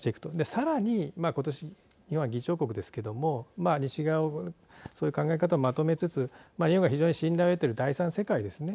さらに今年には議長国ですけども西側をそういう考え方をまとめつつ日本が非常に信頼を得ている第３世界ですね。